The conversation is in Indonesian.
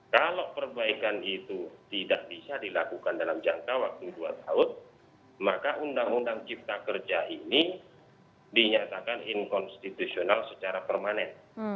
kalau perbaikan itu tidak bisa dilakukan dalam jangka waktu dua tahun maka undang undang cipta kerja ini dinyatakan inkonstitusional secara permanen